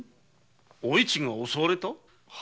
おいちが襲われた。